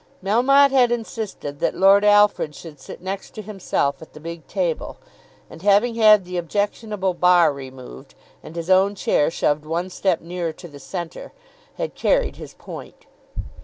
Melmotte had insisted that Lord Alfred should sit next to himself at the big table, and having had the objectionable bar removed, and his own chair shoved one step nearer to the centre, had carried his. point.